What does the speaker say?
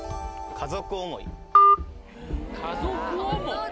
「家族思い」？